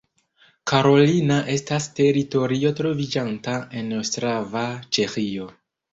Karolina estas teritorio troviĝanta en Ostrava, Ĉeĥio.